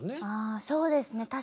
あそうですね